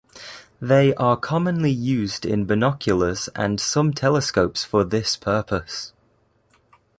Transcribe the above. They are commonly used in binoculars and some telescopes for this purpose.